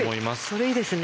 それいいですね。